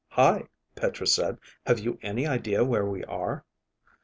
Hi, Petra said. _Have you any idea where we are?